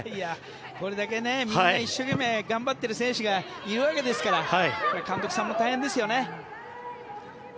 これだけみんな一生懸命頑張っている選手がいるわけですから監督さんも大変ですよね。